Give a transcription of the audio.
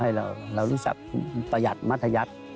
ให้เรารู้จักประหยัดมัธยัติ